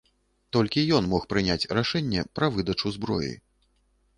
Толькі ён мог прыняць рашэнне пра выдачу зброі.